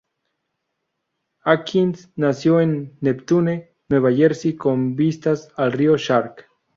Atkins nació en Neptune, Nueva Jersey con vistas al río Shark.